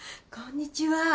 こんにちは。